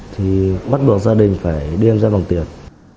thì bắt buộc gia đình phải đưa em ra bằng tiền